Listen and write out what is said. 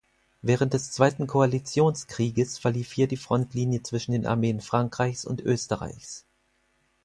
Während des Zweiten Koalitionskrieges verlief hier die Frontlinie zwischen den Armeen Frankreichs und Österreichs.